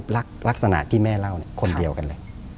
ลักษณะที่แม่เล่าคนเดียวกันเลย